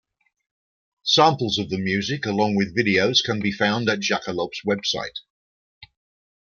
Samples of the music, along with videos, can be found at Jakalope's web site.